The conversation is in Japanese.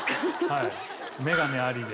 眼鏡ありで。